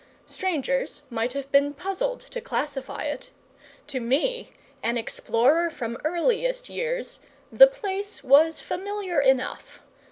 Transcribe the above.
Strangers might have been puzzled to classify it; to me, an explorer from earliest years, the place was familiar enough.